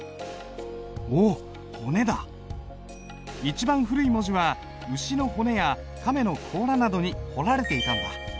一番古い文字は牛の骨や亀の甲羅などに彫られていたんだ。